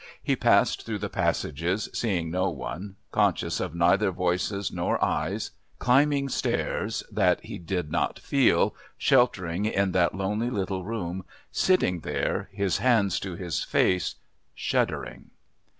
He passed through the passages, seeing no one, conscious of neither voices nor eyes, climbing stairs that he did not feel, sheltering in that lonely little room, sitting there, his hands to his face, shuddering.